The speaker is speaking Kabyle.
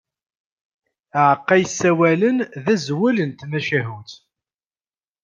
Aεeqqa yessawalen, d azwel n tmacahut.